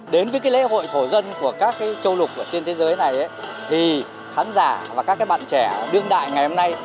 đến với lễ hội thổ dân của các châu lục trên thế giới này thì khán giả và các bạn trẻ đương đại ngày hôm nay